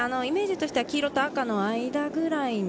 イメージとしては黄色と赤の間くらい。